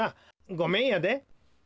ごめんやで。